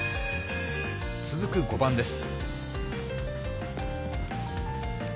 続く５番です。